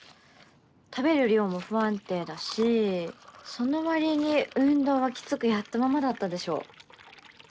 食べる量も不安定だしそのわりに運動はキツくやったままだったでしょ